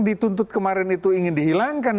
dituntut kemarin itu ingin dihilangkan